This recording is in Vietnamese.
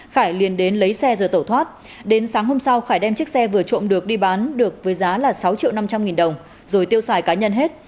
khải liền đến lấy xe rồi tẩu thoát đến sáng hôm sau khải đem chiếc xe vừa trộm được đi bán được với giá là sáu triệu năm trăm linh nghìn đồng rồi tiêu xài cá nhân hết